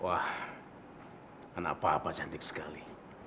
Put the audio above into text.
wah anak papa cantik sekali